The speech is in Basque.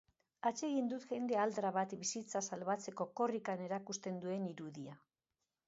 Atsegin dut jende aldra bat bizitza salbatzeko korrikan erakusten duen irudia.